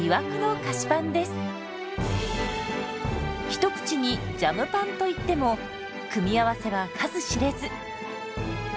一口に「ジャムパン」といっても組み合わせは数知れず。